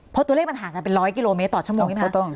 เพราะตัวเลขมันห่างกันเป็นร้อยกิโลเมตรต่อชั่วโมงใช่ไหมครับ